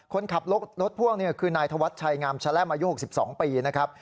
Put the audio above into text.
คนขับรถพ่วงคือนายธวัชชัยงามแชล่มอายุ๖๒ปีนะครับ